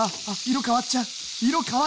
色変わっちゃう！